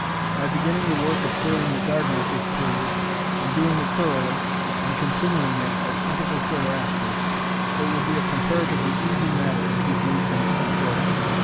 By beginning the work of clearing the garden at this period, and doing it thoroughly, and continuing it at intervals thereafter, it will be a comparatively easy matter to keep weeds under control.